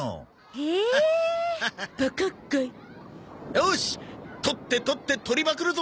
よし採って採って採りまくるぞ！